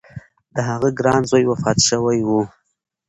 د هغه ګران زوی وفات شوی و.